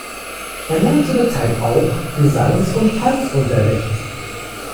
Er nahm zu der Zeit auch Gesangs- und Tanzunterricht.